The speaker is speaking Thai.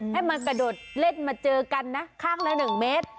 ให้มากระโดดเล่นมาเจอกันนะข้างละ๑เมตร